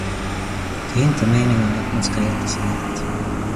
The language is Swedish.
Det är inte meningen att man ska äta sig mätt.